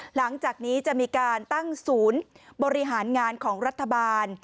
หลังจากนี้จะมีการตั้งศูนย์บริหารงานของรัฐบาล